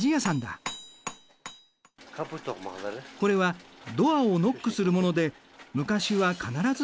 これはドアをノックするもので昔は必ずついていたそうだ。